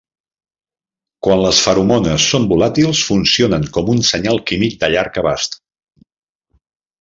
Quan les feromones són volàtils funcionen com un senyal químic de llarg abast.